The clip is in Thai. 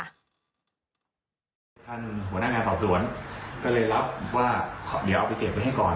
ท่านหัวหน้างานสอบสวนก็เลยรับว่าเดี๋ยวเอาไปเก็บไว้ให้ก่อน